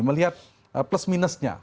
melihat plus minusnya